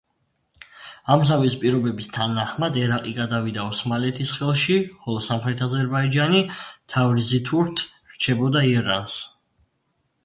ამ ზავის პირობების თანახმად ერაყი გადავიდა ოსმალეთის ხელში, ხოლო სამხრეთ აზერბაიჯანი თავრიზითურთ რჩებოდა ირანს.